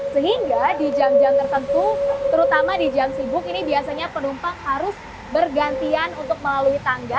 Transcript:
sehingga di jam jam tertentu terutama di jam sibuk ini biasanya penumpang harus bergantian untuk melalui tangga